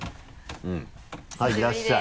はいいらっしゃい。